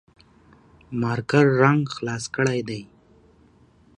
مارکر رنګ خلاص کړي دي